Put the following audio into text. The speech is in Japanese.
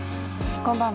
こんばんは。